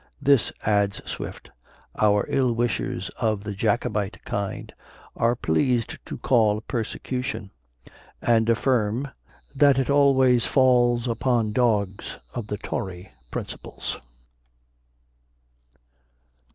"This," adds Swift, "our ill wishers of the Jacobite kind are pleased to call a persecution; and affirm, that it always falls upon dogs of the Tory principles."